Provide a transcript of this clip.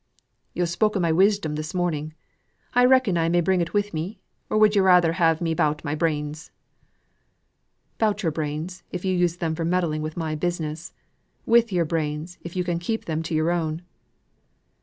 "Yo' spoke of my wisdom this morning. I reckon I may bring it wi' me; or would yo' rayther have me 'bout my brains?" "'Bout your brains if you use them for meddling with my business; with your brains if you can keep to your own."